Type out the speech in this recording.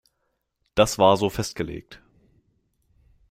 Das war so festgelegt.